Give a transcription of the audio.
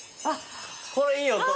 これいい音。